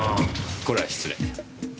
これは失礼。